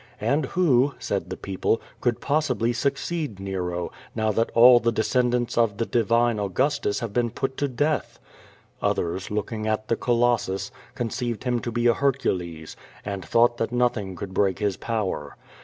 "And who,'' said :ho people, *^could possibly succeed Xero, now that all the dcscxiidants of the divine Augustus have been put to death?" Othirs, looking at the Colossus, conceived him to be a Hercu les, Slid thought that nothing could break his power.